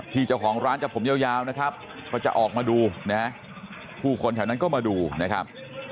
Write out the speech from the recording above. เจ้าของร้านจะผมยาวนะครับก็จะออกมาดูนะผู้คนแถวนั้นก็มาดูนะครับ